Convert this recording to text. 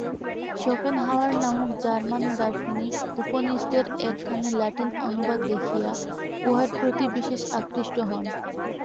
Schopenhauer নামক German দার্শনিক উপনিষদের একখানি লাটিন অনুবাদ দেখিয়া উহার প্রতি বিশেষ আকৃষ্ট হন।